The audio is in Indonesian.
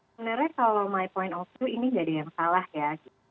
sebenarnya kalau my point of view ini jadi yang salah ya